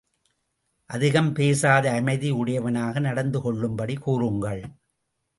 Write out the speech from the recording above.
அதிகம் பேசாத அமைதி உடையவனாக நடந்து கொள்ளும்படி கூறுங்கள்!